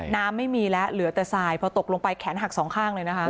น้ำไม่มีแล้วเหลือแต่สายพอตกลงไปแขนหักสองข้างเลยนะคะ